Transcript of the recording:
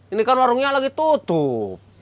ini kan warungnya lagi tutup